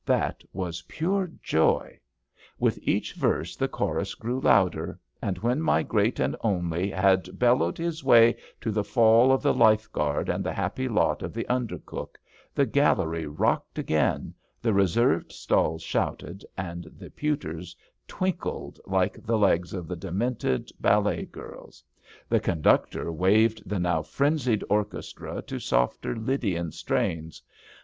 That was pure joy I With each verse the chorus grew louder, and Vhen my Great and Only had bellowed his way to the fall of the Life guard and the happy lot of the Undercook, the gallery rocked again, the reserved stalls shouted, and the pewters twinkled like the legs of the demented ballet girls. The conductor waved the now frenzied orchestra to softer Lydian strains.